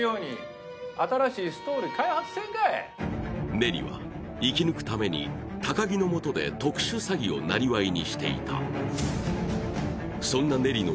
ネリは生き抜くために、高城の元で特殊詐欺をなりわいにしていた。